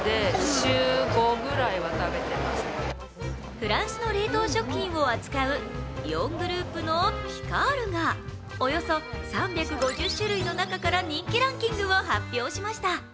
フランスの冷凍食品を扱うイオングループのピカールがおよそ３５０種類の中から人気ランキングを発表しました。